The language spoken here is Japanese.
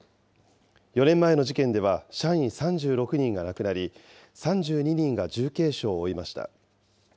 ４年前の事件では社員３６人が亡くなり、３２人が重軽傷を負いました。